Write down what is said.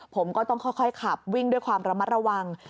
ผมก็ต้องค่อยขับวิ่งด้วยความระมัดระวัง